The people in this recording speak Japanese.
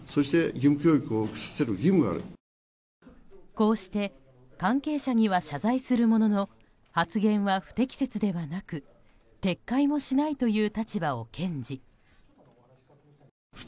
こうして関係者には謝罪するものの発言は不適切ではなく撤回もしないという立場を堅持。